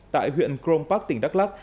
tại huyện chrome park tỉnh đắk lắc